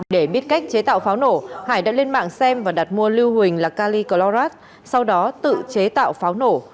để biết cách chế tạo pháo nổ hải đã lên mạng xem và đặt mua lưu huỳnh là caliclorat sau đó tự chế tạo pháo nổ